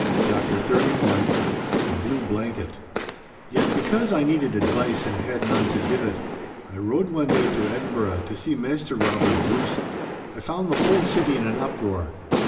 *CHAPTER XXXI* *THE BLUE BLANKET* Yet because I needed advice and had none to give it, I rode one day to Edinburgh to see Maister Robert Bruce. I found the whole city in an uproar.